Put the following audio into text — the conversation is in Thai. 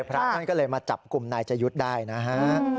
พระท่านก็เลยมาจับกลุ่มนายจยุทธ์ได้นะฮะ